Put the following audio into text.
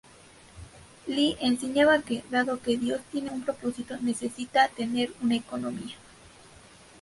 Lee enseñaba que, dado que Dios tiene un propósito, necesita tener una economía.